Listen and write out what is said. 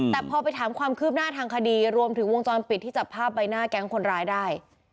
แต่พอไปถามความคืบหน้าทางคดีรวมถึงวงจรปิดที่จับภาพใบหน้าแก๊งคนร้ายได้